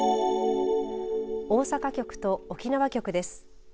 大阪局と沖縄局です。